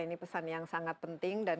ini pesan yang sangat penting dan